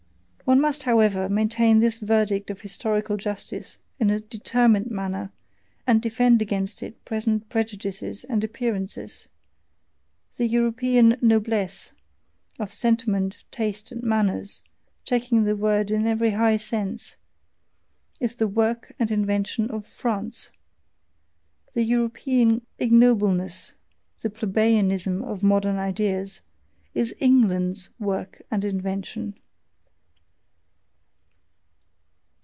One must, however, maintain this verdict of historical justice in a determined manner, and defend it against present prejudices and appearances: the European NOBLESSE of sentiment, taste, and manners, taking the word in every high sense is the work and invention of FRANCE; the European ignobleness, the plebeianism of modern ideas is ENGLAND'S work and invention.